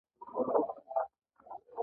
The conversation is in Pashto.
په دې ترتیب پلارواکۍ د مورواکۍ ځای ونیو.